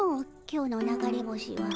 今日の流れ星は。